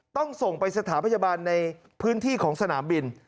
ต้องส่งไปสถาพยาบาลในพื้นที่ของสนามบิน